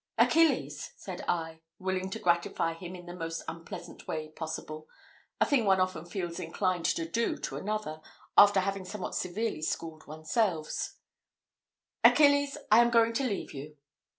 "Achilles!" said I willing to gratify him in the most unpleasant way possible a thing one often feels inclined to do to another, after having somewhat severely schooled oneself "Achilles, I am going to leave you."